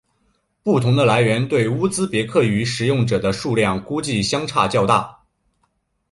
不同的来源对乌兹别克语使用者的数量估计相差较大。